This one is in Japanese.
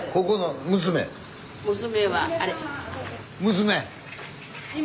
娘。